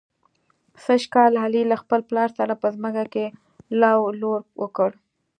سږ کال علي له خپل پلار سره په ځمکه کې لو لور وکړ.